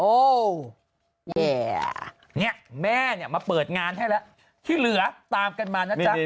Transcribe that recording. โอ้เนี้ยแม่เนี้ยมาเปิดงานให้แล้วที่เหลือตามกันมานะจ๊ะนี่นี่นี่